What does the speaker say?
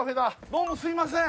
どうもすいません。